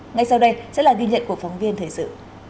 ngay sau đây sẽ là ghi nhận của phóng viên thời sự